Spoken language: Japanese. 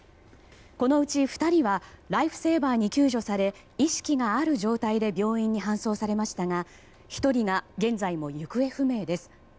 このうち２人はライフセーバーに救助され意識がある状態で病院に搬送されましたが１人が現在も行方不明です。